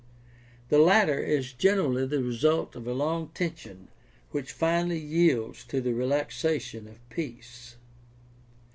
The latter is generally the result of a long tension which finally yields to the relaxation of peace.